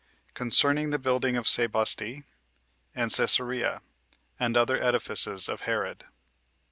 Concerning The Building Of Sebaste And Cæsarea, And Other Edifices Of Herod.